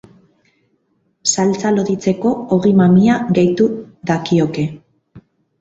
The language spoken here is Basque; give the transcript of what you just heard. Saltsa loditzeko ogi-mamia gehitu dakioke.